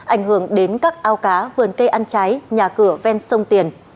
ảnh hưởng đến các ao cá vườn cây ăn trái nhà cửa ven sông tiền